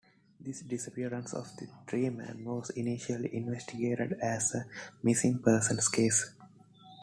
The disappearance of the three men was initially investigated as a missing persons case.